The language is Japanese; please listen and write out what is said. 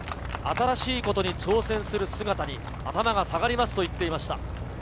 新しいことに挑戦する姿に頭が下がりますと言っていました。